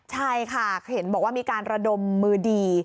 ใช่ค่ะเห็นบอกว่ามีการระดมมือดี